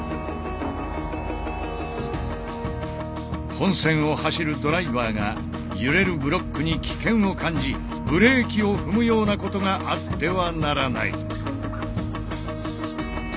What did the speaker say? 本線を走るドライバーが揺れるブロックに危険を感じブレーキを踏むようなことがあってはならない。